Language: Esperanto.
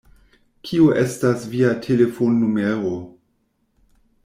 Kio estas via telefon-numero?